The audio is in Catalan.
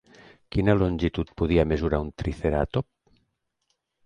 Quina longitud podia mesurar un triceratop?